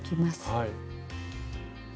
はい。